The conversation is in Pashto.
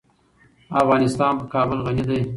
افغانستان په کابل غني دی.